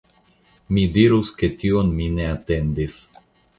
Mi dirus, ke tion mi ne atendis.